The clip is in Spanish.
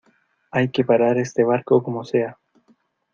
¡ hay que parar este barco como sea!